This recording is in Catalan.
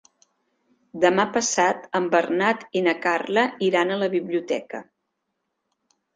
Demà passat en Bernat i na Carla iran a la biblioteca.